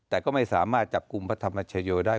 แต่ก็ไม่สามารถจับกลุ่มพระธรรมชโยได้